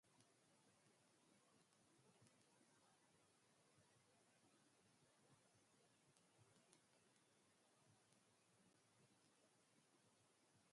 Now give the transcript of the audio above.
At this time Taormina and the surrounding Val Demone were still predominately Greek speaking.